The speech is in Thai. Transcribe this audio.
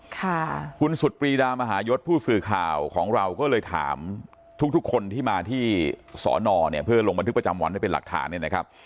ค่ะคุณสุดปรีดามหายศผู้สื่อข่าวของเราก็เลยถามทุกทุกคนที่มาที่สอนอเนี่ยเพื่อลงบันทึกประจำวันไว้เป็นหลักฐานเนี่ยนะครับ